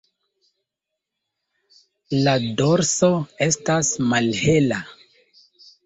La dorso estas malhela.